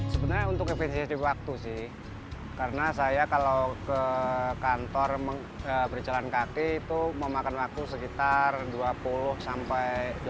sebenarnya untuk efisiensi waktu sih karena saya kalau ke kantor berjalan kaki itu memakan waktu sekitar dua puluh sampai jam